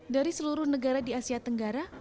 dari seluruh negara di asia tenggara